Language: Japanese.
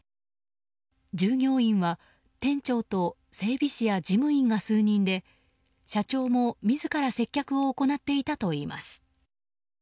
従業員は、店長と整備士や事務員が数人で社長も自ら接客を行っていたといいます。